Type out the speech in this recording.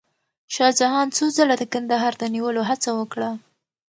شاه جهان څو ځله د کندهار د نیولو هڅه وکړه.